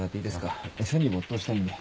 書に没頭したいんで。